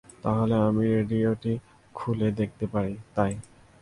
তাহলে আমি রেডিওটা খুলে দেখতে পারি তাই।